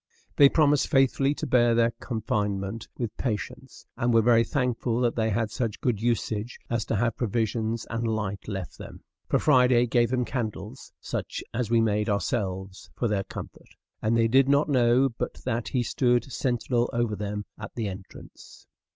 They promised faithfully to bear their confinement with patience, and were very thankful that they had such good usage as to have provisions and light left them; for Friday gave them candles (such as we made ourselves) for their comfort; and they did not know but that he stood sentinel over them at the entrance.